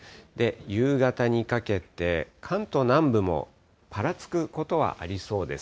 夕方にかけて、関東南部もぱらつくことはありそうです。